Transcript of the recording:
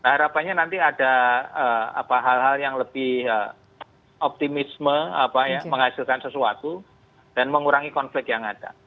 harapannya nanti ada hal hal yang lebih optimisme menghasilkan sesuatu dan mengurangi konflik yang ada